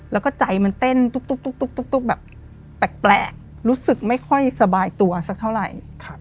แล้วก็ใจมันเต้นตุ๊กแบบแปลกรู้สึกไม่ค่อยสบายตัวสักเท่าไหร่